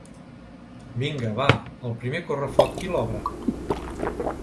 Vinga, va, el primer correfoc qui l’obre?